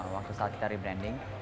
waktu saat kita rebranding